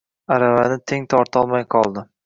Aravani teng tortolmay qoldi